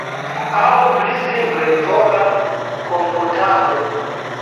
Aŭ pli simple, fora komputado.